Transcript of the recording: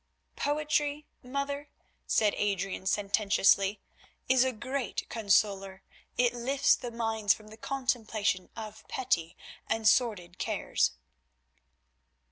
"Poetry, mother," said Adrian sententiously, "is a great consoler; it lifts the mind from the contemplation of petty and sordid cares."